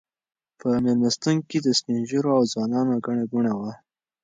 په مېلمستون کې د سپین ږیرو او ځوانانو ګڼه ګوڼه وه.